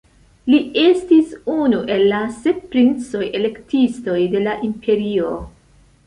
Li estis unu el la sep princoj-elektistoj de la imperio.